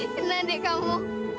kena deh kamu